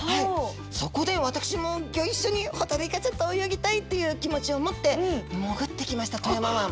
そこで私もギョ一緒にホタルイカちゃんと泳ぎたいという気持ちを持って潜ってきました富山湾！